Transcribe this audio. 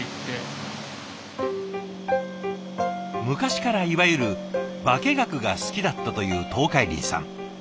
昔からいわゆる化け学が好きだったという東海林さん。